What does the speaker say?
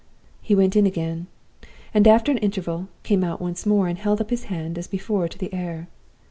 "He went in again; and, after an interval, came out once more, and held up his hand as before to the air.